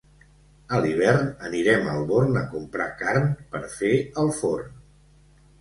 A l'hivern anirem al Born a comprar carn per fer al forn.